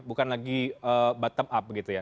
bukan lagi bottom up begitu ya